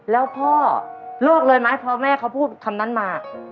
แล้วพ่อเลิกเลยไหมพอแม่เขาพูดคำนั้นมา